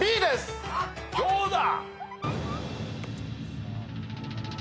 どうだ？